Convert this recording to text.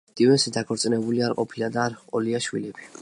სტივენსი დაქორწინებული არ ყოფილა და არ ჰყოლია შვილები.